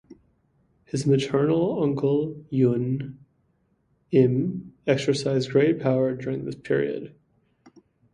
His maternal uncle Yun Im exercised great power during this period.